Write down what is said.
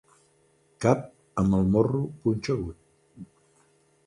Cap amb el morro punxegut.